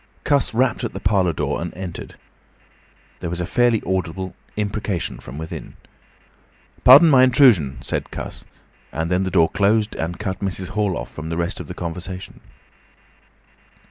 Cuss rapped at the parlour door and entered. There was a fairly audible imprecation from within. "Pardon my intrusion," said Cuss, and then the door closed and cut Mrs. Hall off from the rest of the conversation.